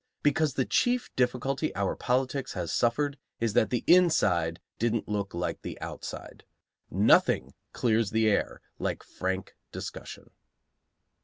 Because the chief difficulty our politics has suffered is that the inside didn't look like the outside. Nothing clears the air like frank discussion.